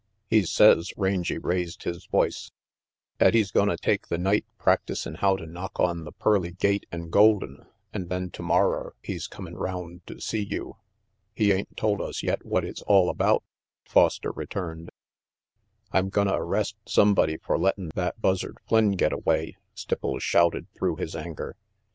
"He says," Rangy raised his voice, " 'at he's gonna take the night practicin' how to knock on the pearly gate an' golden, an' then tomorrer he's comin' round to see you." "He ain't told us yet what it's all about," Foster returned. "I'm gonna arrest sumbody fer lettin' that Buzzard Flynn get away," Stipples shouted through his anger.